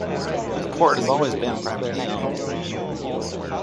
The port has always been privately owned.